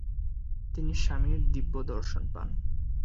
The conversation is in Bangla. তিনি স্বামীর দিব্যদর্শন পান।